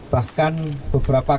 bahkan beberapa kata